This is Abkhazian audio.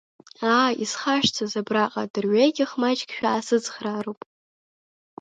Аа, исхашҭыз, абраҟа дырҩегьых маҷк шәаасыцхраароуп…